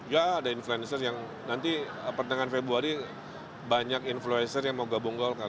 ya ada influencer yang nanti pertengahan februari banyak influencer yang mau gabung golkar